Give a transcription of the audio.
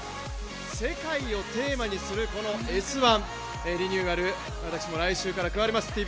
世界をテーマにするこの「Ｓ☆１」リニューアル、私も来週から加わります。